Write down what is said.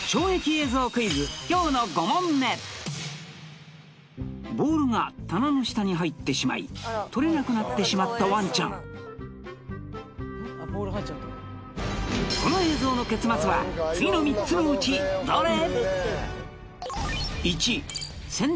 今日の５問目ボールが棚の下に入ってしまい取れなくなってしまったワンちゃん次の３つのうちどれ？